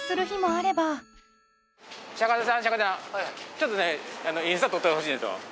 ちょっとねインスタ撮ってほしいんですよ。